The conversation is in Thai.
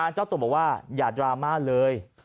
เจ้าตัวบอกว่าอย่าดราม่าเลย